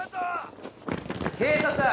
警察だ。